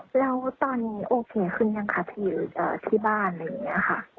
แล้วตอนนี้โอเคขึ้นยังคะพี่ที่บ้านอะไรอย่างนี้ค่ะ